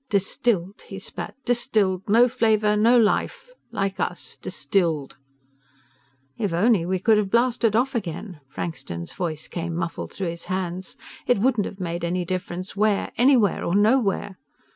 "Distilled," he spat. "Distilled ... no flavor ... no life ... like us ... distilled." "If only we could have blasted off again." Frankston's voice came muffled through his hands. "It wouldn't have made any difference where. Anywhere or nowhere.